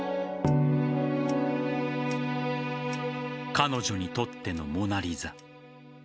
彼女にとっての「モナ・リザ」